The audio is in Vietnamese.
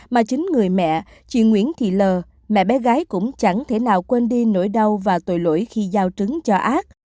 mà chính người mẹ chị nguyễn thị l mẹ bé gái cũng chẳng thể nào quên đi nỗi đau và tội lỗi khi giao trứng cho ác